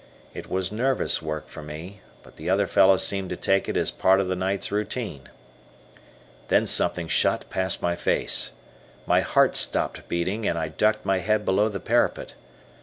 It was nervous work for me, but the other fellow seemed to take it as part of the night's routine. Then something shot past my face. My heart stopped beating, and I ducked my head below the parapet.